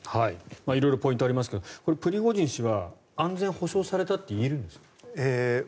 色々ポイントはありますがプリゴジン氏は安全を保証されたといえるんですか？